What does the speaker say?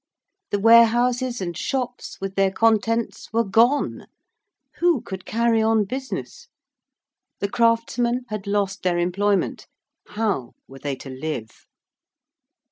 The warehouses and shops with their contents were gone who could carry on business? The craftsmen had lost their employment how were they to live?